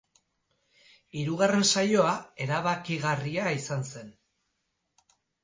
Hirugarren saioa erabakigarria izan zen.